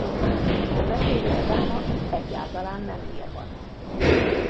A beszélők száma itt egyáltalán nem mérvadó.